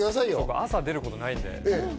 朝出ることないんで。